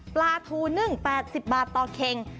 ปลาทูนึ่ง๘๐บาทต่อเข่ง